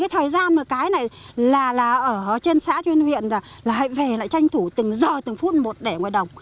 thời gian một cái này là ở trên xã chuyên huyện là hãy về lại tranh thủ từng giờ từng phút một để ngoài đồng